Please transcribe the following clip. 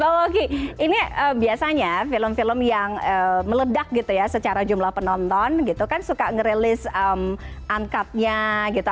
mbak logi ini biasanya film film yang meledak gitu ya secara jumlah penonton gitu kan suka ngerilis uncutnya gitu